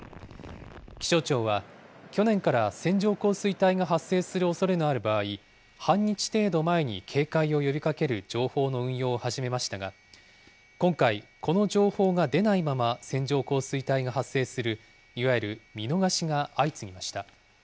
気象庁は、去年から線状降水帯が発生するおそれのある場合、半日程度前に警戒を呼びかける情報の運用を始めましたが、今回、この情報が出ないまま線状降水帯が発生する、いわゆる見逃しが相次ぎました。